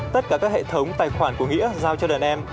tất cả các hệ thống tài khoản của nghĩa giao cho đàn em